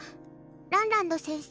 ランランド先生